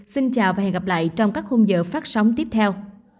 xin chào và hẹn gặp lại trong các khung giờ phát sóng tiếp theo